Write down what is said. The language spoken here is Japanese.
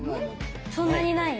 そんなにない？